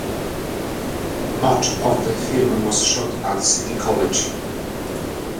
Much of the film was shot at City College.